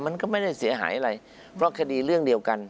มันก็ไม่ได้เสียหายอะไรเพราะคดีเรื่องเดียวกัน